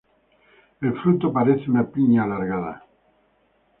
El fruto parece una piña alargada.